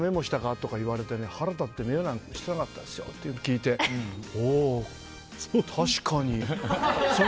って言われて腹立って、メモなんてしてなかったですよって聞いておお確かに。